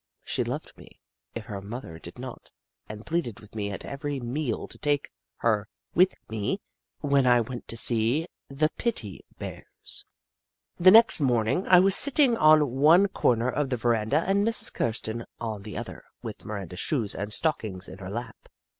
She loved me, if her mother did not, and pleaded with me at every meal to take her with me when I went to see the " pitty Bears." The next mornino; I was sitting on one corner of the veranda and Mrs. Kirsten on the other, with Miranda's shoes and stockings in her lap.